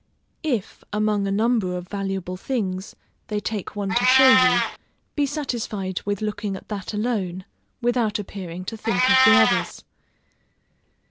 If, among a number of valuable things, they take one to show you, be satisfied with looking at that alone, without appearing to think of the others.